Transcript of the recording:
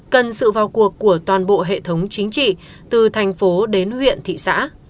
cần sự vào cuộc của toàn bộ hệ thống chính trị từ thành phố đến huyện thị xã